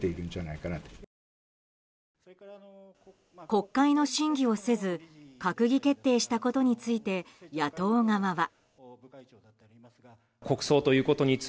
国会の審議をせず閣議決定したことについて野党側は。